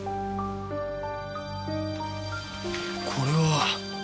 これは！